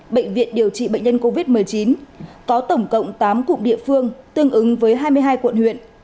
bệnh viện điều trị bệnh nhân covid một mươi chín có tổng cộng tám cụm địa phương tương ứng với hai mươi hai quận huyện